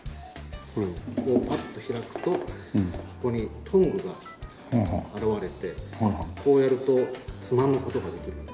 これをこうパッと開くとここにトングが現れてこうやるとつまむ事ができる。